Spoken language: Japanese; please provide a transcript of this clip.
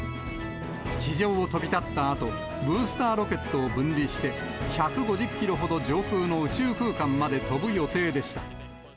地上を飛び立ったあと、ブースターロケットを分離して、１５０キロほど上空の宇宙空間まで飛ぶ予定でした。